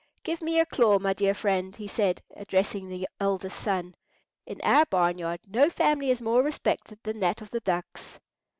Give me your claw, my dear friend," he said, addressing the eldest son. "In our barn yard no family is more respected than that of the ducks."